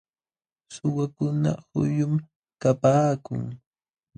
Suwakuna huyum kapaakun.